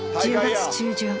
１０月中旬。